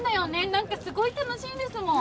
何かすごい楽しいんですもん。